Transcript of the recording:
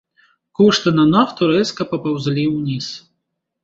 Кошты на нафту рэзка папаўзлі ўніз.